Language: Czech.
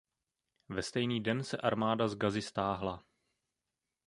Ve stejný den se armáda z Gazy stáhla.